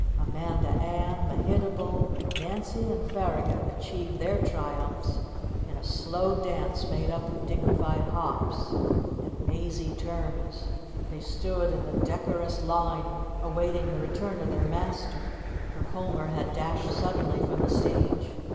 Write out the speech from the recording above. Amanda Ann, Mehitable, Nancy, and Farragut achieved their triumphs in a slow dance made up of dignified hops and mazy turns. They stood in a decorous line awaiting the return of their master, for Homer had dashed suddenly from the stage.